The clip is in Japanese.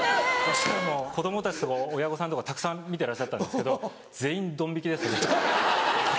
しかも子供たちとか親御さんとかたくさん見てらっしゃったけど全員どん引きですよね。